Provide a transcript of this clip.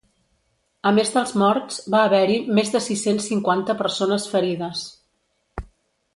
A més dels morts, va haver-hi més de sis-cents cinquanta persones ferides.